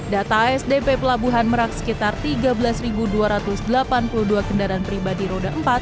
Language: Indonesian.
data asdp pelabuhan merak sekitar tiga belas dua ratus delapan puluh dua kendaraan pribadi roda empat